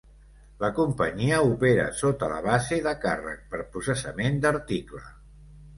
La companyia opera sota la base de càrrec per processament d'article.